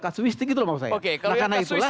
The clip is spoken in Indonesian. kasuistik gitu loh mau saya katakan